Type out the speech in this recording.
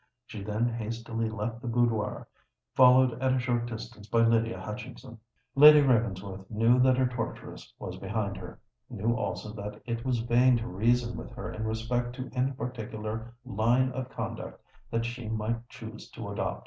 She then hastily left the boudoir, followed at a short distance by Lydia Hutchinson. Lady Ravensworth knew that her torturess was behind her,—knew also that it was vain to reason with her in respect to any particular line of conduct that she might choose to adopt.